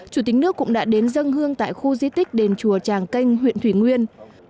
chủ tịch nước cũng đã đến dân hương tại khu di tích đền chùa tràng canh huyện thủy nguyên